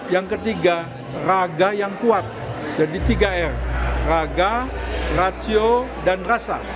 yang ketiga raga yang kuat jadi tiga r raga ratio dan rasa